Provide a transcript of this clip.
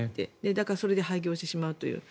だからそれで廃業してしまうという。